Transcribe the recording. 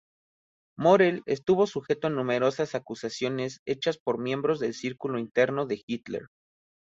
Morell estuvo sujeto a numerosas acusaciones hechas por miembros del círculo interno de Hitler.